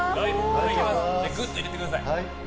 ぐっと入れてください。